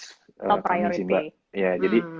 top priority ya jadi